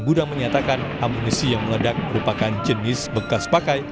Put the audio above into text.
gudang menyatakan amunisi yang meledak merupakan jenis bekas pakai